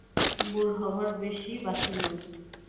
ভোর হবার বেশি বাকি নেই।